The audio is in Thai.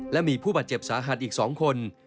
และมีผู้บาดเจ็บสาหัสอีก๒คน